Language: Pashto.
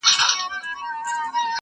چي په فکر کي دي نه راځي پېښېږي!.